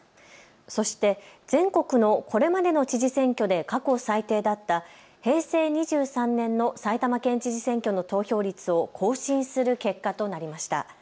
そして全国のこれまでの知事選挙で過去最低だった平成２３年の埼玉県知事選挙の投票率を更新する結果となりました。